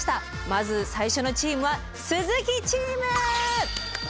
まず最初のチームは鈴木チーム！